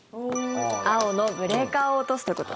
青のブレーカーを落とすということ。